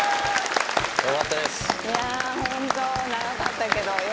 いやホント。